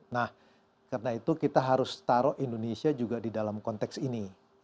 nah karena itu kita harus taruh indonesia juga di dalam konteks ini